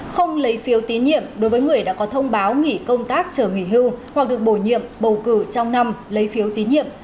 không lấy phiếu tín nhiệm đối với người đã có thông báo nghỉ công tác chờ nghỉ hưu hoặc được bổ nhiệm bầu cử trong năm lấy phiếu tín nhiệm